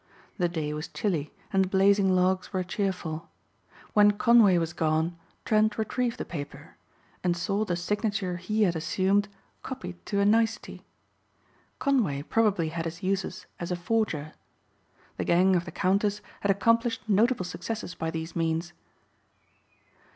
The day was chilly and the blazing logs were cheerful. When Conway was gone Trent retrieved the paper and saw the signature he had assumed copied to a nicety. Conway probably had his uses as a forger. The gang of the Countess had accomplished notable successes by these means.